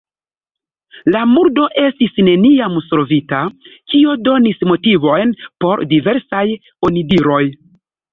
La murdo estis neniam solvita, kio donis motivojn por diversaj onidiroj.